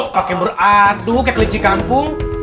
pakai beradu kayak kelinci kampung